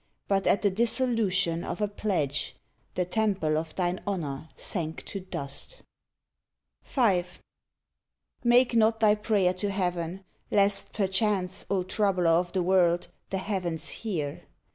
But at the dissolution of a pledge The temple of thine honor sank to dust. 125 ON THE GREAT WAR V Make not thy prayer to Heaven, lest perchance, O troubler of the world, the heavens hear!